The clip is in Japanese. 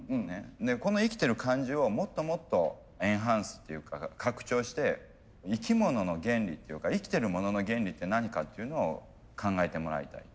この生きてる感じをもっともっとエンハンスっていうか拡張して生き物の原理っていうか生きてるものの原理って何かっていうのを考えてもらいたい。